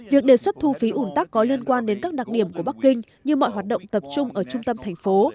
việc đề xuất thu phí ủn tắc có liên quan đến các đặc điểm của bắc kinh như mọi hoạt động tập trung ở trung tâm thành phố